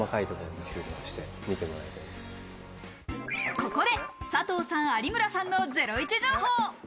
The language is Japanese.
ここで佐藤さん、有村さんのゼロイチ情報。